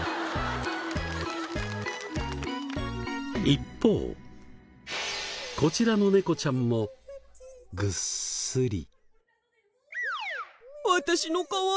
一方こちらの猫ちゃんもほら。